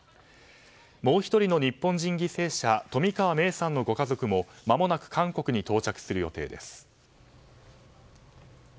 もう１人の日本人犠牲者冨川芽生さんのご家族もまもなく韓国に到着する予定です。